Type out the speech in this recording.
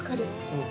うん。